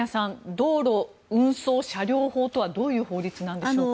道路運送車両法とはどういう法律なんでしょうか。